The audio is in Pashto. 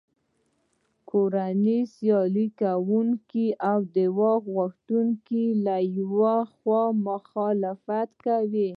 کورنیو سیالي کوونکو او د واک غوښتونکو له یوې خوا مخالفت کاوه.